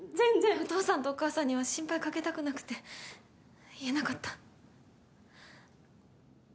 お父さんとお母さんには心配かけたくなくて言えなかった。